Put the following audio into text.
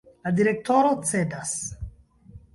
La direktoro cedas.